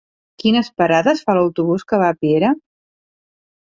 Quines parades fa l'autobús que va a Piera?